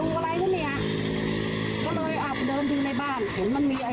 อ๋อรู้อะไรน่ะเนี้ยก็เลยอาบเดินดูในบ้านผมมันมีไอ้